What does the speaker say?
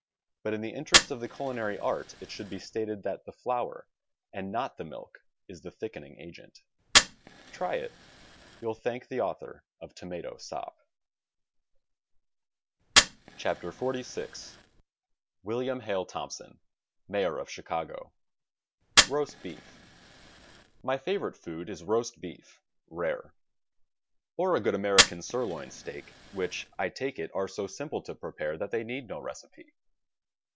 But in the interest of the culinary art it should be stated that the flour, and not the milk, is the thickening agent. Xry it— you'll thank the author of 'tomato sop.' THE STAG COOK BOOK XLVI William Hale Thompson (Mayor of Chicago) ROAST BEEF My favorite food is Roast Beef, rare, or a good Ameri can sirloin steak, which, I takes it, are so sinaple to prepare that they need no recipe.